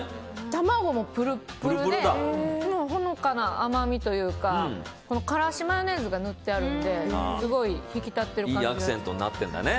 玉子もぷるっぷるでほのかな甘みというかからしマヨネーズが塗ってあるのですごい引き立ってますね。